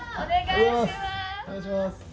お願いします。